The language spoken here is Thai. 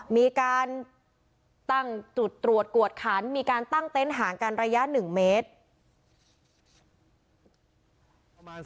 มีการตั้งตรวจกวดขันมีการตั้งเต้นหางกันระยะหนึ่งเมตร